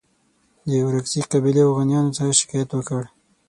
د ورکزي قبیلې اوغانیانو څخه شکایت وکړ.